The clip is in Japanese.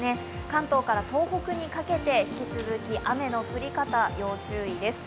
関東から東北にかけて、引き続き、雨の降り方、要注意です。